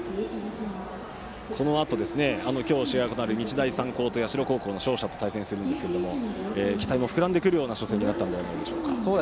このあと、今日試合がある日大三高と社高校の勝者と対戦しますが期待も膨らんでくるような初戦になったのではないですか？